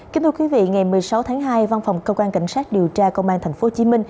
kính thưa quý vị ngày một mươi sáu tháng hai văn phòng cơ quan cảnh sát điều tra công an tp hcm